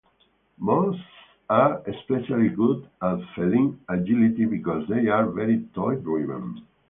Most are especially good at feline agility because they are very toy-driven.